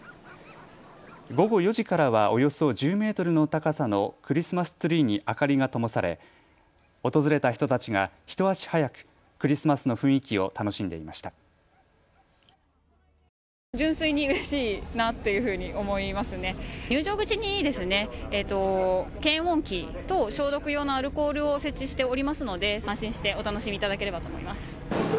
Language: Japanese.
午後４時からはおよそ１０メートルの高さのクリスマスツリーに明かりがともされ訪れた人たちが一足早くクリスマスの雰囲気を楽しんでいました。